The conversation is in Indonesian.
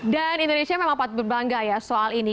dan indonesia memang patut berbangga ya soal ini